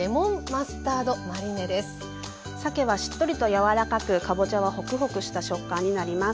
さけはしっとりと柔らかくかぼちゃはホクホクした食感になります。